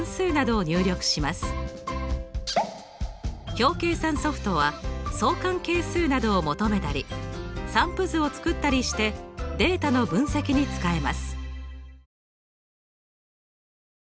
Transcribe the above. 表計算ソフトは相関係数などを求めたり散布図を作ったりしてデータの分析に使えます。